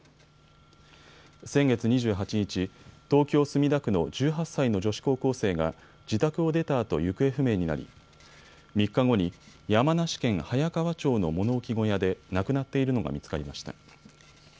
先月２８日、東京墨田区の１８歳の女子高校生が自宅を出たあと行方不明になり、３日後に山梨県早川町の物置小屋で亡くなっているのが見つかりました。